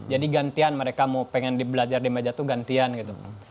jadi gantian mereka mau belajar di meja itu gantian gitu